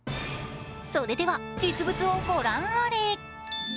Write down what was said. それでは実物を御覧あれ。